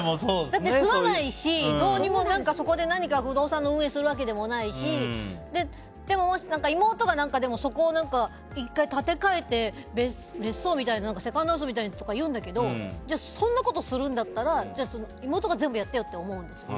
だって住まないし何か、そこで不動産の運営をするわけでもないしでももし、妹が何か１回建て替えて別荘みたいにセカンドハウスみたいにって言うんだけどそんなことするんだったら妹が全部やってよって思うんです。